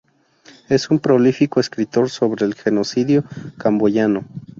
Es un prolífico escritor sobre el Genocidio camboyano.